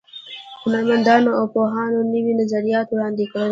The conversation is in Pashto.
هنرمندانو او پوهانو نوي نظریات وړاندې کړل.